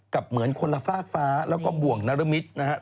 เหมือนคนละฟากฟ้าแล้วก็บ่วงนรมิตรนะครับ